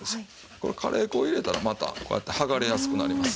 これカレー粉を入れたらまたこうやって剥がれやすくなります。